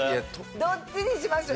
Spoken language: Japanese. どっちにしましょう。